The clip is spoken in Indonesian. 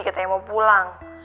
katanya mau pulang